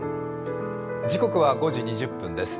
時刻は５時２０分です。